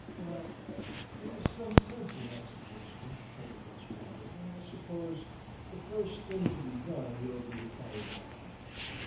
"Well; there is some sense in that suggestion," Prendergast grumbled, "and I suppose the first thing to be done will be to carry that out.